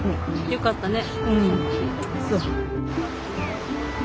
よかったね。